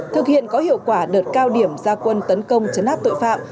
thực hiện có hiệu quả đợt cao điểm gia quân tấn công chấn áp tội phạm